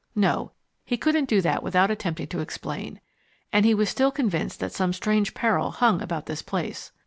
No, he couldn't do that without attempting to explain. And he was still convinced that some strange peril hung about this place.